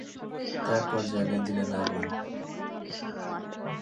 তারপর জ্বালিয়ে দিলেন আগুন।